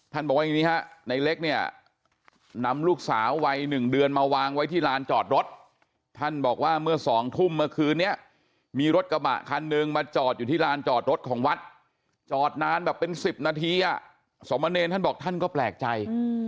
บอกว่าอย่างนี้ฮะในเล็กเนี่ยนำลูกสาววัย๑เดือนมาวางไว้ที่ลานจอดรถท่านบอกว่าเมื่อ๒ทุ่มเมื่อคืนนี้มีรถกระบะคันหนึ่งมาจอดอยู่ที่ลานจอดรถของวัดจอดนานแบบเป็น๑๐นาทีสมเนรท่านบอกท่านก็แปลกใจ